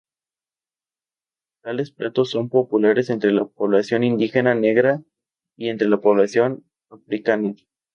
Tales platos son populares entre la población indígena negra y entre la población afrikaner.